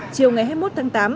chiều ngày hai mươi một tháng tám